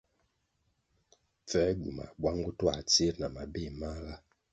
Pfęr gywumah buang botuah tsir na mabéh mahga.